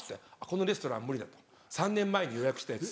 このレストラン無理だと３年前に予約したやつ。